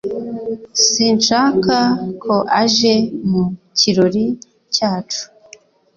Sinshaka ko aje mu kirori cyacu